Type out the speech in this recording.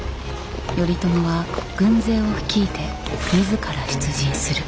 頼朝は軍勢を率いて自ら出陣する。